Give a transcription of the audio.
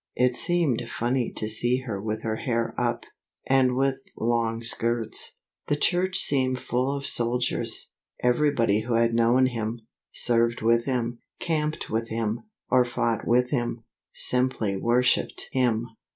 It seemed funny to see her with her hair up, and with long skirts. The church seemed full of soldiers. Everybody who had known him, served with him, camped with him, or fought with him, simply worshipped him.